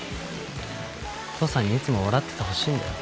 父さんにいつも笑っててほしいんだよ。